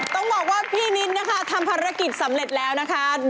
ต้องบอกว่าพี่นินนะคะทำภารกิจสำเร็จแล้วนะคะ